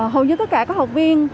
hầu như tất cả các học viên